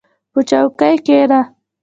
• په چوکۍ کښېنه.